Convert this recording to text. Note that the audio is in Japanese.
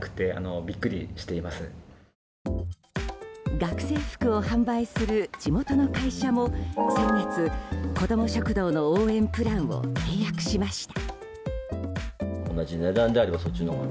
学生服を販売する地元の会社も先月、子ども食堂の応援プランを契約しました。